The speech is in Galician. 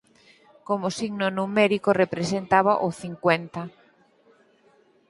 Como signo numérico representaba o cincuenta.